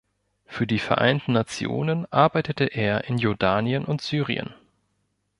Für die Vereinten Nationen arbeitete er in Jordanien und Syrien.